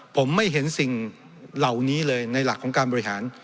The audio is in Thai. ผมไม่เห็นสิ่งเหล่านี้เลยในหลักของการบริหาร